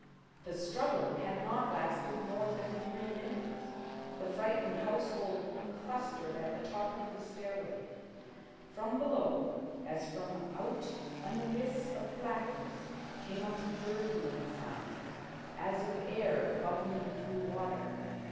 The struggle had not lasted more than three minutes. The frightened household clustered at the top of the stairway. From below, as from out an abyss of blackness, came up a gurgling sound, as of air bubbling through water.